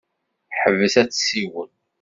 Teḥbes ad tessiwel.